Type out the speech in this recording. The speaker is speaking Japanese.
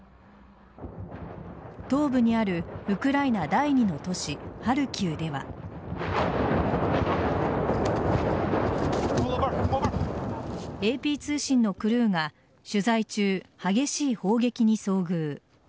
東部にあるウクライナ第２の都市ＡＰ通信のクルーが取材中、激しい砲撃に遭遇。